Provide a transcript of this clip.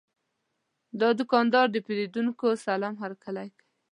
دا دوکاندار د پیرودونکو سلام هرکلی کوي.